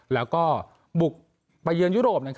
แล้วก็บุกไปเยือนยุโรป